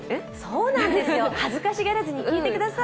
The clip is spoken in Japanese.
そうなんですよ、恥ずかしがらずに聞いてください。